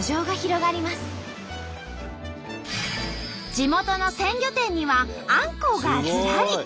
地元の鮮魚店にはあんこうがずらり。